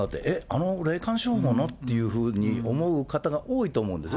あの霊感商法のっていうふうに思う方が多いと思うんです。